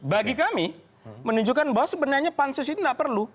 bagi kami menunjukkan bahwa sebenarnya pansus ini tidak perlu